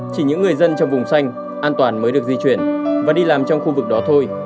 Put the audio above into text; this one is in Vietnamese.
chỉ những người dân trong vùng xanh an toàn mới được di chuyển và đi làm trong khu vực đó thôi